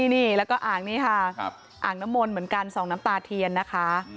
นี่แล้วก็อ่างนี้ค่ะอ่างน้ำมนต์เหมือนกันส่องน้ำตาเทียนนะคะ